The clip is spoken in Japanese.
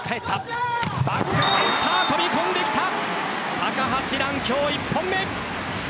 高橋藍、今日１本目。